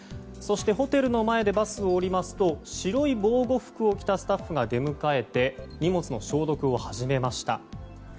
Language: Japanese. そして、ホテルの前でバスを降りますと白い防護服を着たスタッフが出迎えて荷物の消毒を始めました。